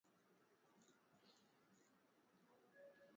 Wanyama wapatiwe chanjo kwa wakati ila kukabiliana na magonjwa